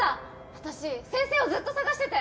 私先生をずっと捜してて。